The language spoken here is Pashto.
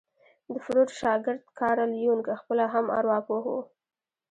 د فروډ شاګرد کارل يونګ خپله هم ارواپوه وو.